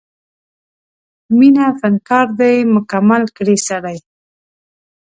مینه فنکار دی مکمل کړي سړی